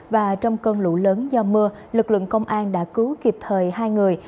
và trong cơn lũ lớn do mưa lực lượng công an đã cứu kịp thời hai người